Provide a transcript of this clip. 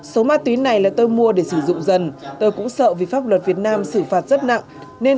số ma túy này là tôi mua để sử dụng dần tôi cũng sợ vì pháp luật việt nam xử phạt rất nặng nên